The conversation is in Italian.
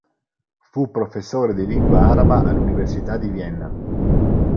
Fu professore di Lingua araba all'Università di Vienna.